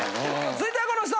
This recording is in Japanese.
続いてはこの人！